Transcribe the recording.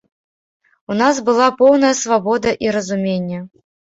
У нас была поўная свабода і разуменне.